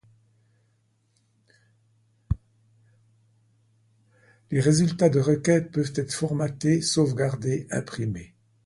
Les résultats de requêtes peuvent être formatés, sauvegardés, imprimés.